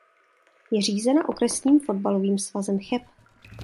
Je řízena Okresním fotbalovým svazem Cheb.